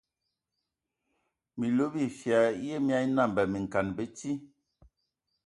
Minlo bifia ya mia nambə minkana mi bəti.